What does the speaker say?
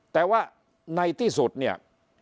แต่ว่าในที่สุดเนี่ย